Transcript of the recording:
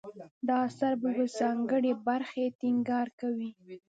دا اثر په یوې ځانګړې برخې ټینګار کوي.